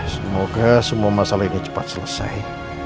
semoga semua masalah ini cepat selesai